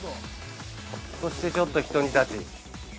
◆そして、ちょっとひと煮立ち。